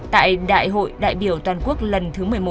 tại đại hội đại biểu toàn quốc lần thứ một mươi một